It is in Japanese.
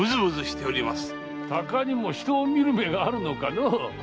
鷹にも人を見る目があるのかのう？